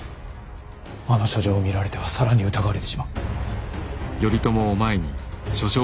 あの書状を見られては更に疑われてしまう。